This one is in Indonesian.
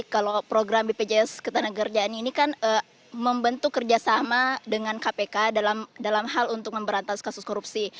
kalau program bpjs ketenagakerjaan ini kan membentuk kerjasama dengan kpk dalam hal untuk memberantas kasus korupsi